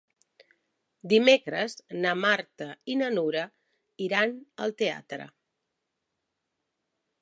Dimecres na Marta i na Nura iran al teatre.